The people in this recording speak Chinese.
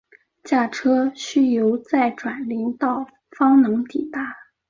驾车需由再转林道方能抵达。